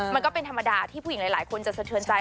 มันก็เป็นธรรมดาที่ผู้หญิงหลายคนจะสะเทือนใจ